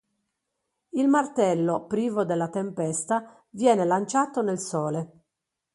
Il martello, privo della Tempesta, viene lanciato nel sole.